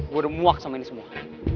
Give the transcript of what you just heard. gue udah muak sama ini semua